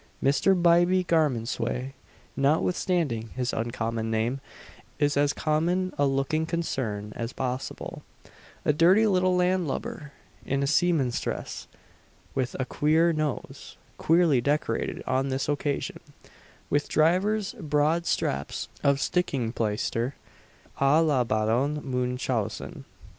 Mr. Bybie Garmondsway, notwithstanding his uncommon name, is as common a looking concern as possible a dirty little land lubber in a seaman's dress, with a queer nose, queerly decorated on this occasion with divers broad straps of sticking plaister à la Baron Munchausen.